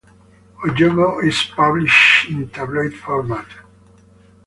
"O Jogo" is published in tabloid format.